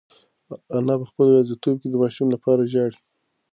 انا په خپله یوازیتوب کې د ماشوم لپاره ژاړي.